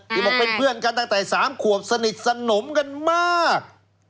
ที่บอกเป็นเพื่อนกันตั้งแต่๓ขวบสนิทสนมกันมาก